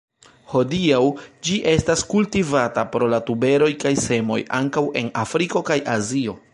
Hodiaŭ ĝi estas kultivata pro la tuberoj kaj semoj, ankaŭ en Afriko kaj Azio.